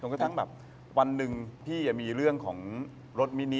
ก็ไปทุกวันหนึ่งพี่มีเรื่องของรถมินิ